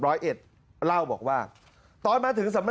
เล่าบอกว่าตอนมาถึง